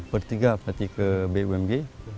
bertiga berarti ke bumg